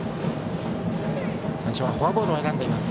最初はフォアボールを選んでいます。